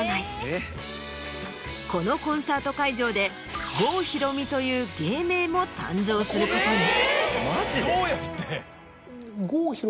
このコンサート会場で「郷ひろみ」という芸名も誕生することに。